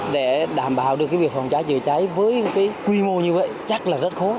để đảm bảo được việc phòng cháy chữa cháy với quy mô như vậy chắc là rất khó